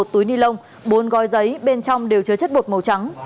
một túi nilon bốn gói giấy bên trong đều chứa chất bột màu trắng